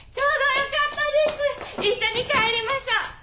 一緒に帰りましょう。